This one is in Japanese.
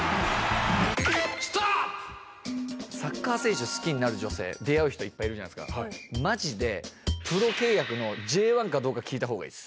サッカー選手好きになる女性、出会う人いっぱいいるじゃないですか、まじで、プロ契約のＪ１かどうか聞いたほうがいいです。